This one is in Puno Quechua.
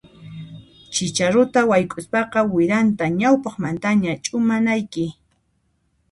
Chicharuta wayk'uspaqa wiranta ñawpaqmantaña ch'umanayki.